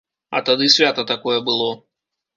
А тады свята такое было.